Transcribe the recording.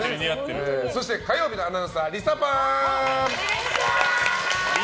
そして火曜日のアナウンサーリサパン。